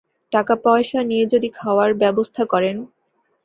টাকা পয়সা নিয়ে যদি খাওয়ার ব্যবস্থা করেন।